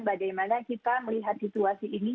bagaimana kita melihat situasi ini